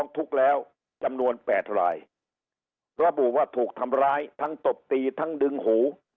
ทุกข์แล้วจำนวน๘รายระบุว่าถูกทำร้ายทั้งตบตีทั้งดึงหู